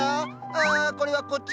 あこれはこっち。